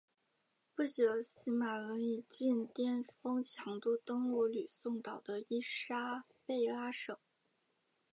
不久西马仑以近颠峰强度登陆吕宋岛的伊莎贝拉省。